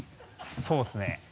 そうですね。